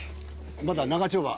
まだ長丁場。